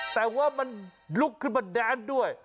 แต่ว่ามันลุกขึ้นมาแดนด้วย